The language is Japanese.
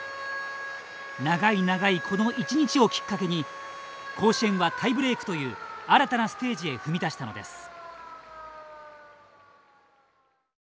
長い長い、この一日をきっかけに甲子園はタイブレークという新たなステージへ踏み出したのです。